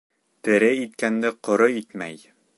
Тере иткәнде ҡоро итмәй.